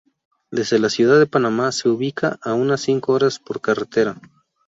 Desde la ciudad de Panamá, se ubica a unas cinco horas por carretera.